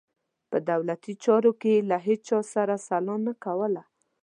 په دولتي چارو کې یې له هیچا سره سلا نه کوله.